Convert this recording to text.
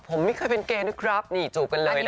ผมไม่เคยเป็นแกด้วยครับนี่จูบกันเลยนะ